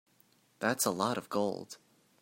That's a lot of gold.